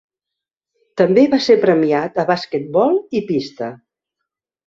També va ser premiat a basquetbol i pista.